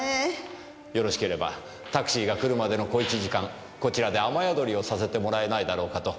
よろしければタクシーが来るまでの小１時間こちらで雨宿りをさせてもらえないだろうかと。